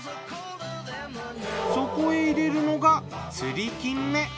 そこへ入れるのが釣りキンメ！